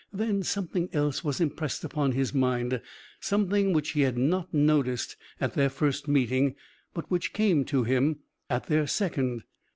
Then something else was impressed upon his mind, something which he had not noticed at their first meeting, but which came to him at their second.